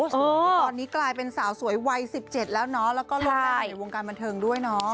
ตอนนี้ตอนนี้กลายเป็นสาวสวยวัย๑๗แล้วเนาะแล้วก็ลงนาในวงการบันเทิงด้วยเนาะ